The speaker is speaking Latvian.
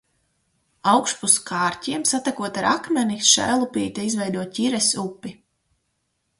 Augšpus Kārķiem, satekot ar Akmeni, Šēlupīte izveido Ķires upi.